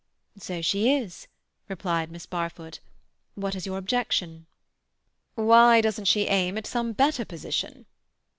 "So she is," replied Miss Barfoot. "What is your objection?" "Why doesn't she aim at some better position?"